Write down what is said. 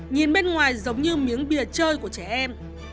nhìn bên ngoài giống như miếng bìa chơi của trẻ em